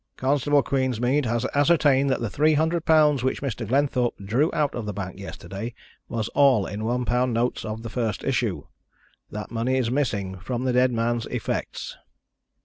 "Constable Queensmead has ascertained that the £300 which Mr. Glenthorpe drew out of the bank yesterday was all in £1 notes of the first issue. That money is missing from the dead man's effects."